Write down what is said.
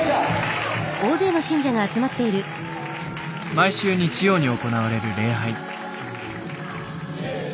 毎週日曜に行われる礼拝。